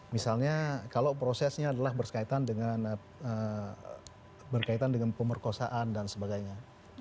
misalnya kalau prosesnya adalah berkaitan dengan pemerkosaan dan sebagainya